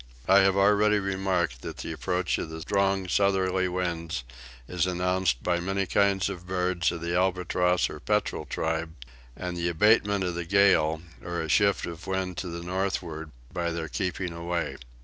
I have already remarked that the approach of strong southerly winds is announced by many kinds of birds of the albatross or petrel tribe, and the abatement of the gale, or a shift of wind to the northward, by their keeping away.